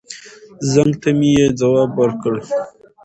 زنګ ته مې يې ځواب ور کړ.